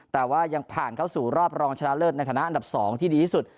แต่ว่ายังผ่านเข้าสู่รอบรองชนะเลิศในฐานะอันดับ๒ที่ดีที่สุด